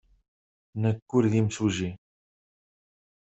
Nekk ur d imsujji.